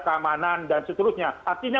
keamanan dan seterusnya artinya